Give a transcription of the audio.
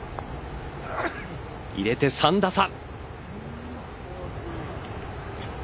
入れて３打差。